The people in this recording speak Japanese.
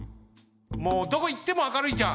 もうどこいっても明るいじゃん！